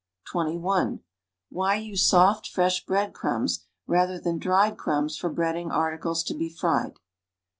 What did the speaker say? (21) AVhy use soft, fresh bread rnimbs ralher than dried erurabs for breading articles to be fried?